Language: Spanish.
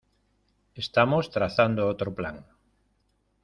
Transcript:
Estamos trazando otro plan.